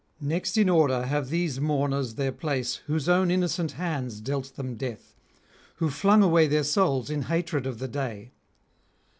Next in order have these mourners their place whose own innocent hands dealt them death, who flung away their souls in hatred of the day.